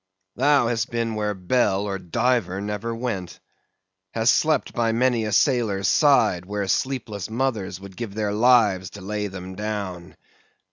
Thou hast been where bell or diver never went; hast slept by many a sailor's side, where sleepless mothers would give their lives to lay them down.